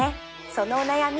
そのお悩み